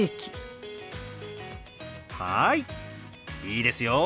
いいですよ。